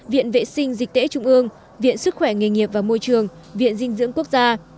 viện vệ sinh dịch tễ trung ương viện sức khỏe nghề nghiệp và môi trường viện dinh dưỡng quốc gia